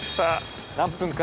何分か。